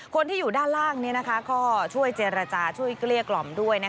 คนที่อยู่ด้านล่างก็ช่วยเจรจาช่วยเกลี้ยกล่อมด้วย